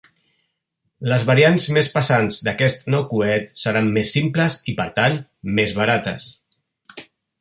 Les variants més pesants d'aquest nou coet seran més simples i per tant, més barates.